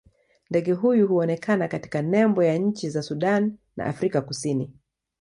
Ndege huyu huonekana katika nembo ya nchi za Sudan na Afrika Kusini.